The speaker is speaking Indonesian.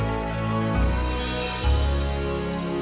emang dasar ini ya